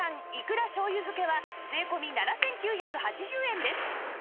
醤油漬けは税込７９８０円です